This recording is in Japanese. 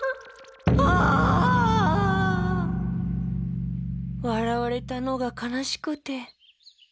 あ！わらわれたのがかなしくて。